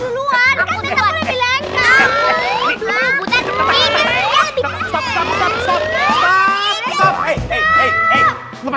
pada saat yang manggil jalan